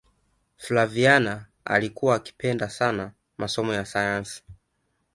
flaviana alikuwa akipenda sana masomo ya sayansi